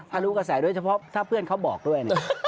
ถ้ารู้กระแสโดยเฉพาะถ้าเพื่อนเขาบอกด้วย